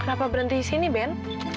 kenapa berhenti disini ben